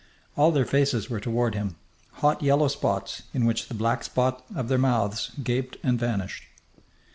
All their faces were toward him, hot yellow spots in which the black spots of their mouths gaped and vanished.